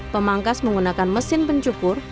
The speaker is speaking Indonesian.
pemangkas menggunakan mesin pencukur